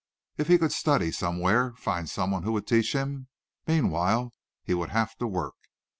If he could study somewhere, find someone who would teach him.... Meanwhile he would have to work.